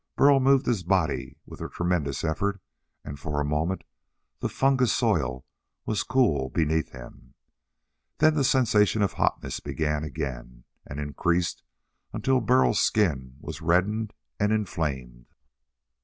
Burl moved his body with a tremendous effort and for a moment the fungus soil was cool beneath him. Then the sensation of hotness began again and increased until Burl's skin was reddened and inflamed.